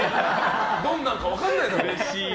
どんなんか分からないだろ。